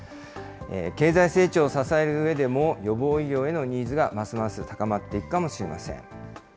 経済成長を支えるうえでも予防医療へのニーズがますます高まっていくかもしれません。